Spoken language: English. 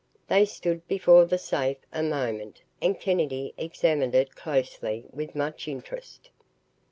They stood before the safe a moment and Kennedy examined it closely with much interest.